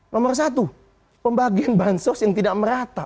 nomor satu pembagian bansos yang tidak merata